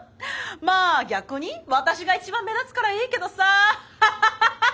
まあ逆に私が一番目立つからいいけどさ！